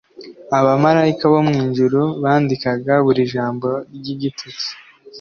abamarayika bo mu ijuru bandikaga buri jambo ry’igitutsi,